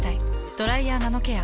「ドライヤーナノケア」。